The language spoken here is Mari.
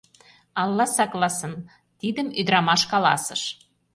«Алла сакласын...» — тидым ӱдырамаш каласыш.